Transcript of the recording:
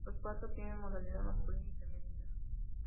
Las cuatro tienen modalidad masculina y femenina.